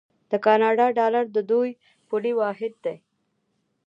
د کاناډا ډالر د دوی پولي واحد دی.